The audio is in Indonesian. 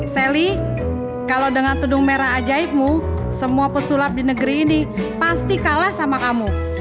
sally kalau dengan tudung merah ajaibmu semua pesulap di negeri ini pasti kalah sama kamu